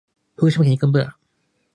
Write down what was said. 福島県飯舘村